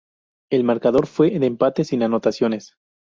El marcador fue de empate sin anotaciones.